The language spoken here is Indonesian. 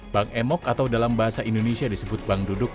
bank emok atau dalam bahasa indonesia disebut bank duduk